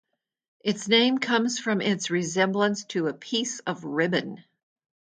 Its name comes from its resemblance to a piece of ribbon.